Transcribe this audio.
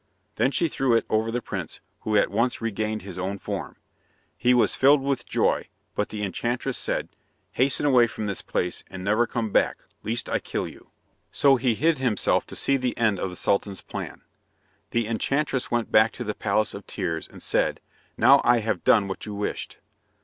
Then she threw it over the prince, who at once regained his own form. He was filled with joy, but the enchantress said, "Hasten away from this place and never come back, lest I kill you." So he hid himself to see the end of the Sultan's plan. The enchantress went back to the Palace of Tears and said, "Now I have done what you wished."